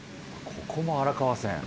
ここも荒川線。